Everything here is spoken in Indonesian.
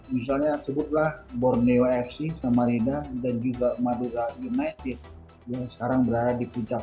misalnya sebutlah borneo fc samarinda dan juga madura united yang sekarang berada di puncak